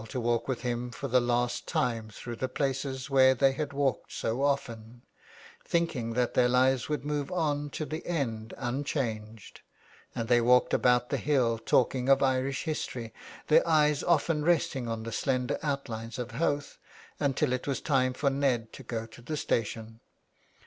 to walk with him for the last time through the places where they had walked so often, thinking that their lives would move on to the end unchanged ; and they walked about the hill talking of Irish history, their eyes often resting on the slender outlines of Howth, until it was time for Ned to go to the station.